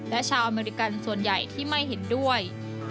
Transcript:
และชาวอเมริกันส่วนใหญ่ที่ไม่เห็นด้วย